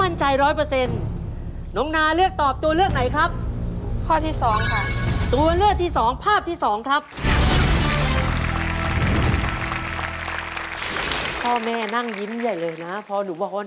มั่นใจไหมลูก